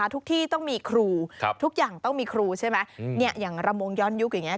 ทุกที่ต้องมีครูทุกอย่างต้องมีครูใช่ไหมอย่างระมงย้อนยุคอย่างนี้